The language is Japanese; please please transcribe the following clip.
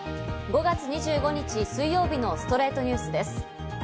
５月２５日、水曜日の『ストレイトニュース』です。